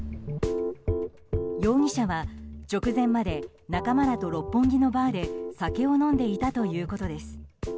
容疑者は直前まで仲間らと六本木のバーで酒を飲んでいたということです。